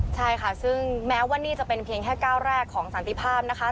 ใช่ค่ะซึ่งแม้ว่านี่จะเป็นเพียงแค่ก้าวแรกของสันติภาพนะคะ